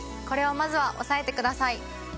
これをまずは押さえてください。